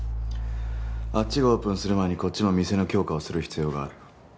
あっちがオープンする前にこっちも店の強化をする必要がある。